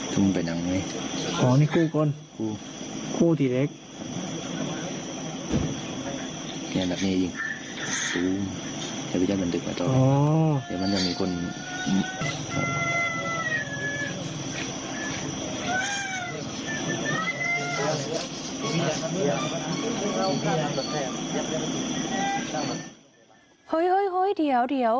เฮ้ยเฮ้ยเดี๋ยวเดี๋ยว